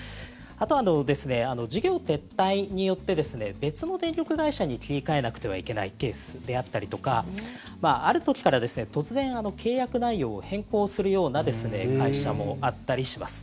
あとは、事業撤退によって別の電力会社に切り替えなくてはいけないケースであったりとかある時から突然、契約内容を変更するような会社もあったりします。